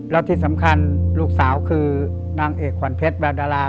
แล้วที่สำคัญลูกสาวคือนางเอกขวัญเพชรแววดารา